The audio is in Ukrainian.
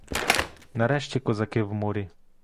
Нарешті козаки в морі.